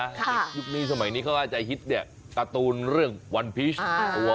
ยุคนี้สมัยนี้เขาอาจจะฮิตเนี่ยการ์ตูนเรื่องวันพีช